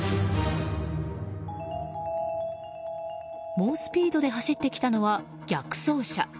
猛スピードで走ってきたのは逆走車。